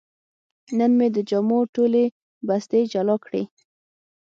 نن مې د جامو ټولې بستې جلا کړې.